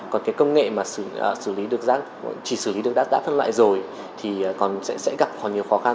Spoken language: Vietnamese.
còn công nghệ chỉ xử lý được rác đã phân loại rồi thì sẽ gặp khó nhiều khó khăn